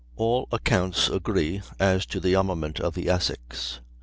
All accounts agree as to the armament of the Essex.